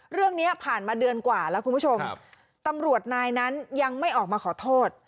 เรื่องนี้ผ่านมาเดือนกว่าแล้วคุณผู้ชมตำรวจนายนั้นยังไม่ออกมาขอโทษ